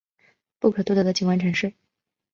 不可多得的景观城市